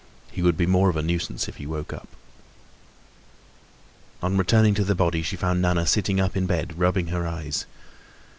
He would be more of a nuisance if he woke up. On returning to the body, she found Nana sitting up in bed rubbing her eyes.